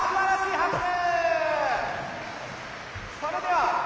拍手！